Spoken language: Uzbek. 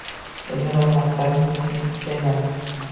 Endi bir haqiqatni bilishingni istayman.